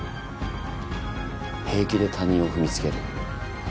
平気で他人を踏みつける。